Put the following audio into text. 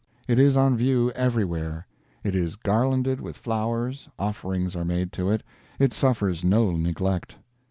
It is on view everywhere, it is garlanded with flowers, offerings are made to it, it suffers no neglect.